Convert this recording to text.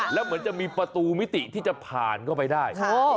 แล้วเหมือนจะมีประตูมิติที่จะผ่านเข้าไปได้